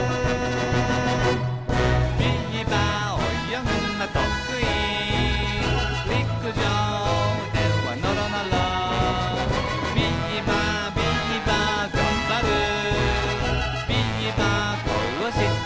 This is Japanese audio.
「ビーバーおよぐのとくい」「陸上ではのろのろ」「ビーバービーバーがんばる」「ビーバーこうして生きる」